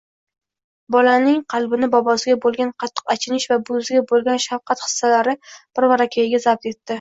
Bolaning qalbini bobosiga boʻlgan qattiq achinish va buvisiga boʻlgan shafqat hislari birvarakayiga zabt etdi.